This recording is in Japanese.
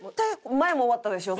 「前も終わったでしょ？